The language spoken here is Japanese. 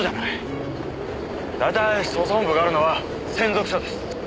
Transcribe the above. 大体捜査本部があるのは千束署です。